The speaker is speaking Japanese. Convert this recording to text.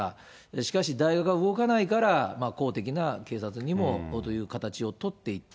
しかし大学が動かないから、公的な警察にもという形を取っていった。